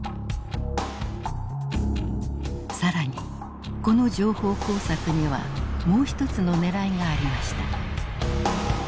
更にこの情報工作にはもう一つのねらいがありました。